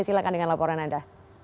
silahkan dengan laporan anda